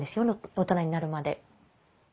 大人になるまで。